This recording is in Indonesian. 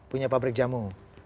punya pabrik jamu